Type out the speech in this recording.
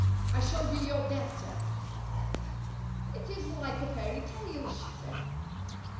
I shall be your debtor." "It is like a fairy tale," she said.